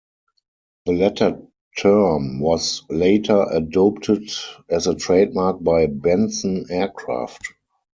The latter term was later adopted as a trademark by Bensen Aircraft.